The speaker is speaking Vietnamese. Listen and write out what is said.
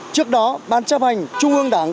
trước đó ban chấp hành trung ương đảng